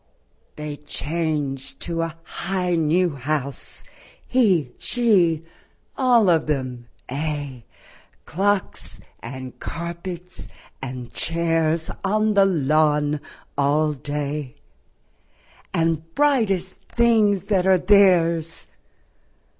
They change to a high new house, He, she, all of themŌĆöaye, Clocks and carpets and chairs On the lawn all day, And brightest things that are theirs